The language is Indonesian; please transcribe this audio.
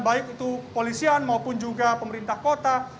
baik itu polisian maupun juga pemerintah kota